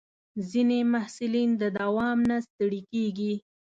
ځینې محصلین د دوام نه ستړي کېږي.